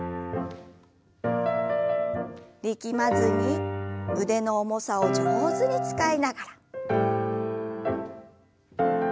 力まずに腕の重さを上手に使いながら。